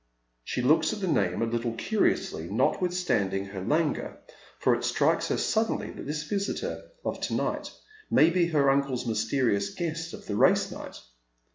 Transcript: She looks at the name a little curiously, notwitli etanding her languor, for it strikes her suddenly that this visitor of to night may be her uncle's mysterious guest of the race ni.2:ht.